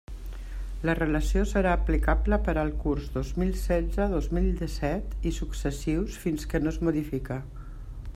La relació serà aplicable per al curs dos mil setze dos mil dèsset i successius fins que no es modifique.